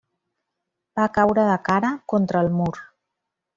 Va caure de cara, contra el mur.